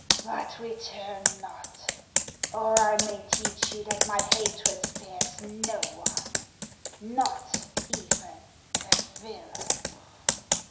But return not, or I may teach you that my hatred spares no one, not even a villain.